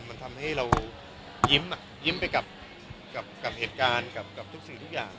มันทำให้เรายิ้มกับเหตุการณ์ทุกอย่าง